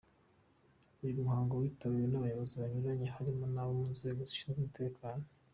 Uyu muhango witabiriwe n’abayobozi banyuranye harimo nabo mu nzego zishinzwe umutekano.